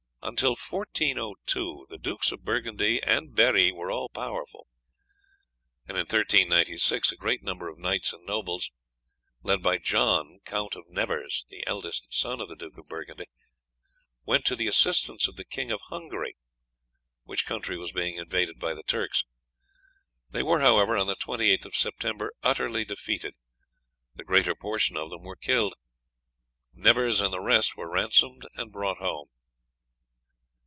Until 1402 the Dukes of Burgundy and Berri were all powerful, and in 1396 a great number of knights and nobles, led by John, Count of Nevers, the eldest son of the Duke of Burgundy, went to the assistance of the King of Hungary, which country was being invaded by the Turks. They were, however, on the 28th of September, utterly defeated. The greater portion of them were killed; Nevers and the rest were ransomed and brought home.